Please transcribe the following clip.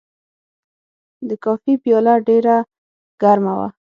د کافي پیاله ډېر ګرمه وه.